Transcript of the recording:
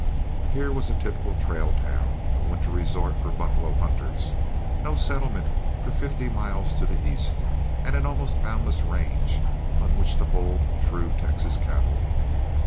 Here was a typical trail town, a winter resort for buffalo hunters, no settlement for fifty miles to the east, and an almost boundless range on which to hold through Texas cattle.